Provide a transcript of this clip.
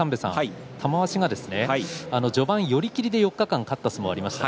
玉鷲が序盤、寄り切りで４日間、勝った相撲がありました。